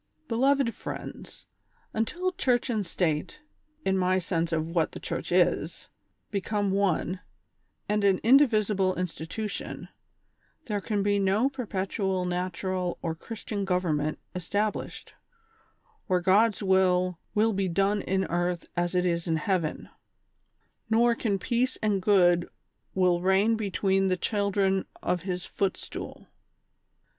tELOYED FRIENDS :— Until church and state (in my sense of what the church is) become one, and an indivisible institution, there can be no perpetually natural or Christian government es tablished, where God's will "will be done in earth as it is 176 THE SOCIAL "WAR OF 1900; OR, in heaven;" nor can peace and goodwill reign between the children of His footstool.